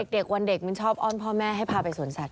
เด็กวันเด็กมันชอบอ้อนพ่อแม่ให้พาไปสวนสัตว